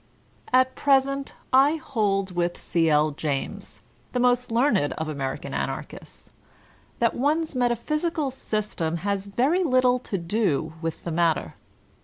At present I hold with C. L. James, the most learned of American Anarchists, that one's metaphysical system has very little to do with the matter.